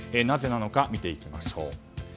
なぜなのか見ていきましょう。